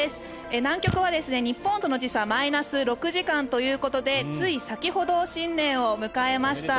南極は日本との時差マイナス６時間ということでつい先ほど新年を迎えました。